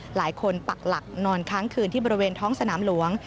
ปักหลักนอนค้างคืนที่บริเวณท้องสนามหลวง